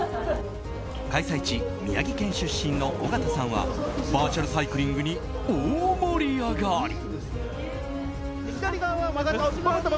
開催地、宮城県出身の尾形さんはバーチャルサイクリングに大盛り上がり。